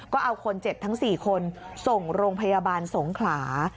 ก็เอาคนเจ็บทั้ง๔คนส่งโรงพยาบาลสงขลา